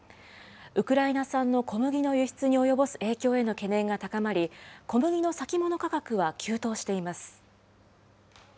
ウクライナ産の小麦の輸出に及ぼす影響への懸念が高まり、小麦の先物価格は急騰しています。